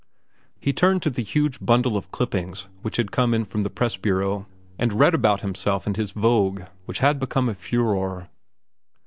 He turned to the huge bundle of clippings which had come in from his press bureau, and read about himself and his vogue, which had become a furore.